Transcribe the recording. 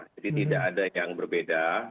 jadi tidak ada yang berbeda